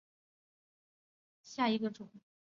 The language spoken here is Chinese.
长叶黔蕨为鳞毛蕨科黔蕨属下的一个种。